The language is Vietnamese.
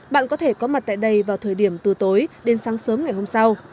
bạn có thể có mặt tại đây vào thời điểm từ tối đến sáng sớm ngày hôm sau